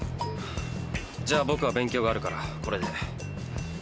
じゃあ僕は勉強があるからこれで。